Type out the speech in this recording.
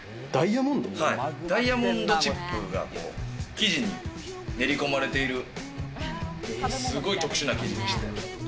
ダイヤモンドチップが生地に練り込まれている特殊な生地です。